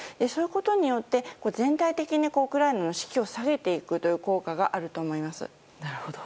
そういうことによって全体的にウクライナの士気を下げていくという効果があると思います。